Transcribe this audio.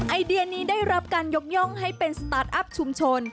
ไอเดียนี้ได้รับการยกย่องให้เป็นสตาร์ทอัพชุมชน